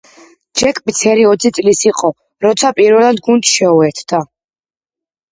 ჯეკ პიცერი ოცი წლის იყო, როცა პირველად გუნდს შეურთდა.